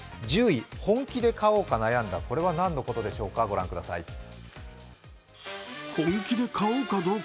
１０位本気で買おうか悩んだ、これは何のことでしょうか、御覧ください。